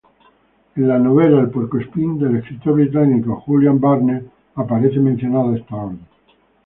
En la novela "El puercoespín" del escritor británico Julian Barnes aparece mencionada esta orden.